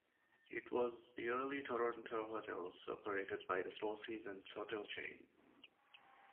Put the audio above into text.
It was the early Toronto hotels operated by the Four Seasons Hotel chain.